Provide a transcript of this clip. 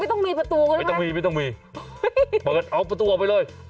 ไม่ต้องมีประตูหรือเปล่าไม่ต้องมีเอาประตูออกไปเลย